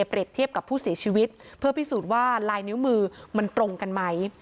เปรียบเทียบกับผู้เสียชีวิตเพื่อพิสูจน์ว่าลายนิ้วมือมันตรงกันไหม